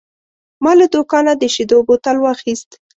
ما له دوکانه د شیدو بوتل واخیست.